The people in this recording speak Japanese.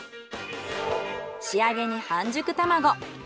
仕上げに半熟卵。